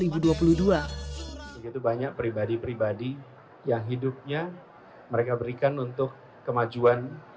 begitu banyak pribadi pribadi yang hidupnya mereka berikan untuk kemajuan